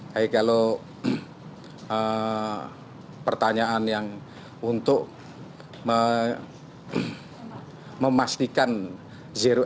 tapi kalau pertanyaan yang untuk memastikan zero exit